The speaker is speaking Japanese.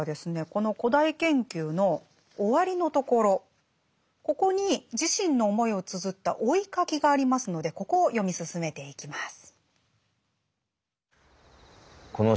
この「古代研究」の終わりのところここに自身の思いをつづった「追ひ書き」がありますのでここを読み進めていきます。